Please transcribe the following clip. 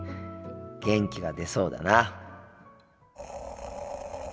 元気が出そうだな。